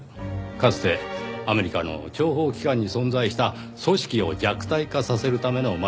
かつてアメリカの諜報機関に存在した組織を弱体化させるためのマニュアルです。